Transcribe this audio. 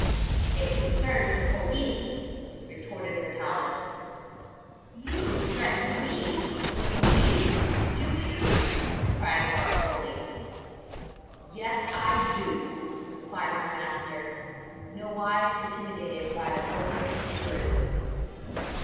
"It concerns the police," retorted Vitalis. "You threaten me with the police, do you?" cried Garofoli. "Yes, I do," replied my master, nowise intimidated by the bully's fury.